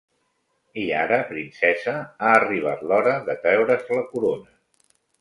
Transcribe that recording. I ara, princesa, ha arribat l'hora de treure's la corona.